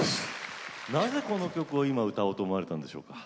なぜこの曲を今歌おうと思われたんでしょうか。